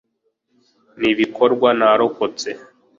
Nibikorwa narokotse